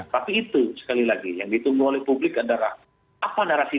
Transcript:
tapi itu sekali lagi yang ditunggu oleh publik adalah apa narasi